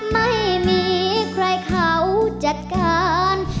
ไม่มีใครเขาจัดการ